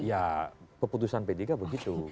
ya keputusan p tiga begitu